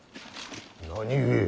何故。